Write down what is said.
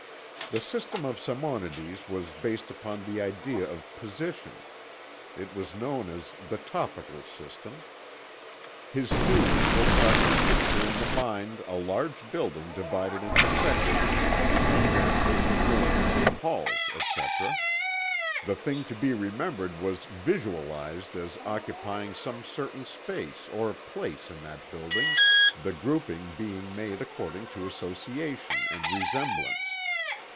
The system of Simonides was based upon the idea of position it was known as "the topical system." His students were taught to picture in the mind a large building divided into sections, and then into rooms, halls, etc. The thing to be remembered was "visualized" as occupying some certain space or place in that building, the grouping being made according to association and resemblance.